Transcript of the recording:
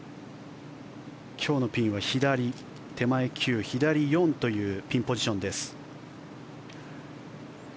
今日のピンは手前９、左４というピンポジションです。